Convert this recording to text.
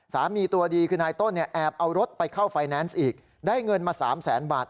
ตัวดีคือนายต้นเนี่ยแอบเอารถไปเข้าไฟแนนซ์อีกได้เงินมา๓แสนบาท